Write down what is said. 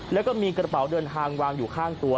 แล้วก็มีกระเป๋าเดินทางวางอยู่ข้างตัว